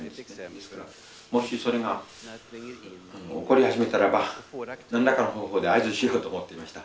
ですからもしそれが起こり始めたらば何らかの方法で合図しようと思っていました。